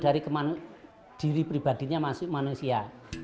dari kemanusiaan diri pribadinya masuk ke manusia